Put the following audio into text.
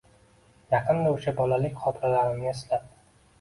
Yaqinda o‘sha bolalik xotiralarimni eslab